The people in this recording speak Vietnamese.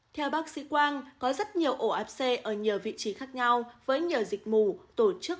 theo bác sĩ quang có rất nhiều ổ áp xe ở nhiều vị trí khác nhau với nhiều dịch mù tổ chức